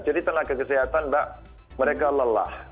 jadi tenaga kesehatan mbak mereka lelah